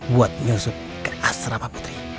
buat nyusup ke asrama putri